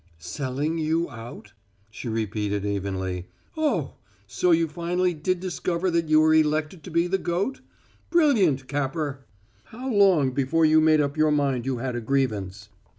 "Selling you out?" she repeated evenly. "Oh! So you finally did discover that you were elected to be the goat? Brilliant Capper! How long before you made up your mind you had a grievance?"